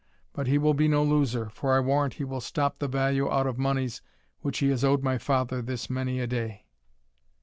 But he will be no loser, for I warrant he will stop the value out of moneys which he has owed my father this many a day."